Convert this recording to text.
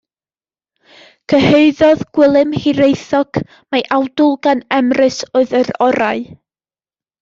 Cyhoeddodd Gwilym Hiraethog mai awdl gan Emrys oedd yr orau.